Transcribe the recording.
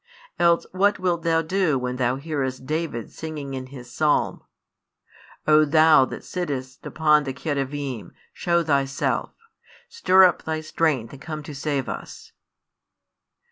Else what wilt thou do when thou hearest David singing in his psalm: |106 O Thou that sittest upon the Cherubim, shew Thyself; stir up Thy strength and come to save us?